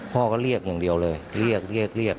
พ่อก็เรียกอย่างเดียวเลยเรียกเรียก